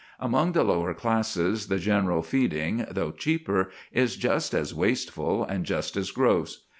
Among the lower classes the general feeding, though cheaper, is just as wasteful and just as gross.